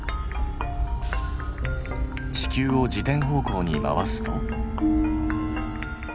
地球を自転方向に回すと。